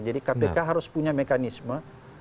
jadi kpk harus punya mekanisme